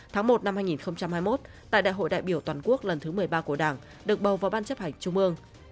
hai nghìn hai mươi một tại đại hội đại biểu toàn quốc lần thứ một mươi ba của đảng được bầu vào ban chấp hành trung mương